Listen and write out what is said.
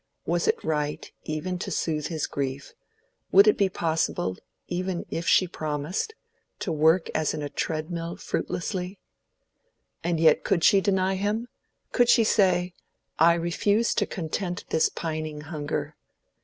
Was it right, even to soothe his grief—would it be possible, even if she promised—to work as in a treadmill fruitlessly? And yet, could she deny him? Could she say, "I refuse to content this pining hunger?"